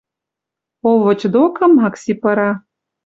Овоть докы Макси пыра.